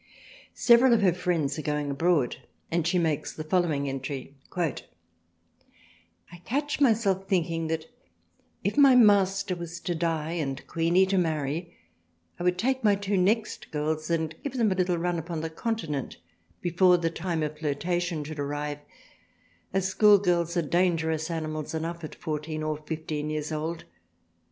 Several of her friends are going abroad and she makes the following entry :—" I catch myself thinking that if my Master was to dye and Queeny to marry ; I would take my two next Girls and give them a little Run upon the Con tinent before the time of Flirtation should arrive, as School Girls are dangerous Animals enough at 14 or 15 years old.